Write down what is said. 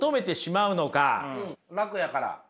楽やから。